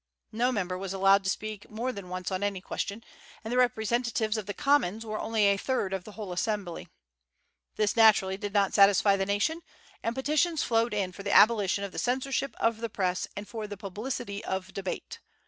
No member was allowed to speak more than once on any question, and the representatives of the commons were only a third part of the whole assembly. This naturally did not satisfy the nation, and petitions flowed in for the abolition of the censorship of the Press and for the publicity of debate.